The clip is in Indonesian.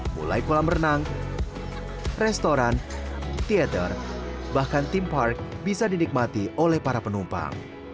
mulai pulang berenang restoran teater bahkan tim park bisa dinikmati oleh para penumpang